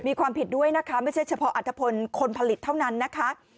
มีความผิดด้วยนะคะไม่ใช่เฉพาะอัฐพลคนผลิตเท่านั้นนะคะ